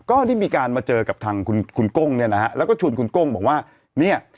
ก็ได้มีการมาเจอกับทางคุณคุณก้งเนี่ยนะฮะแล้วก็ชวนคุณก้งบอกว่าเนี่ย